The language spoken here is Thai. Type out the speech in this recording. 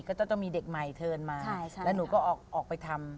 ก็จะต้องมีเด็กใหม่เทินมาแล้วหนูก็ออกไปทำ